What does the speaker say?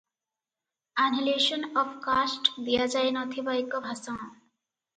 Annihilation of caste ଦିଆଯାଇନଥିବା ଏକ ଭାଷଣ ।